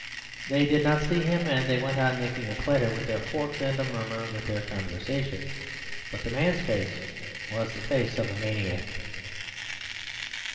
They did not see him, and they went on making a clatter with their forks, and a murmur with their conversation. But the man's face was the face of a maniac.